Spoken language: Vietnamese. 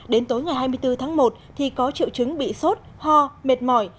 đến tối ngày hai mươi bốn tháng một thì có triệu chứng bị sốt ho mệt mỏi